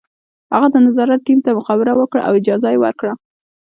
هغه د نظارت ټیم ته مخابره وکړه او اجازه یې ورکړه